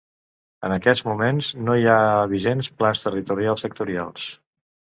En aquest moment no hi ha vigents plans territorials sectorials.